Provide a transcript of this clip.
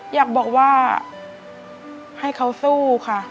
อยากบอกว่าให้เขาสู้ค่ะ